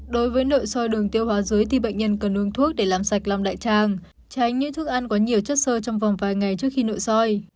đối với nội soi đường tiêu hóa dưới thì bệnh nhân cần uống thuốc để làm sạch lòng đại tràng tránh những thức ăn có nhiều chất sơ trong vòng vài ngày trước khi nội soi